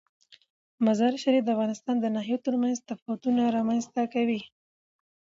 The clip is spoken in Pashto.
مزارشریف د افغانستان د ناحیو ترمنځ تفاوتونه رامنځ ته کوي.